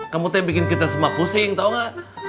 kamu tuh yang bikin kita semua pusing tau gak